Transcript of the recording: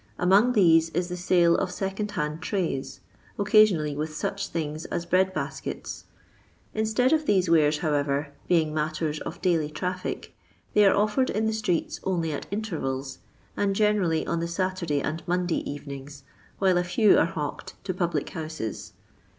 Among these is the sale of second hand trays, occasionally with such things as bread baskets. Instead of these wares, however, being matters of daily traffic, they are offered in the streets only at intervals, and generally on the Saturday and Monday evenings, while a few are hawked to public houses.